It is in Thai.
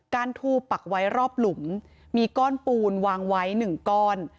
ทูปักไว้รอบหลุมมีก้อนปูนวางไว้หนึ่งก้อน